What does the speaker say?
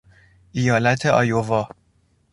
ایالت آیوا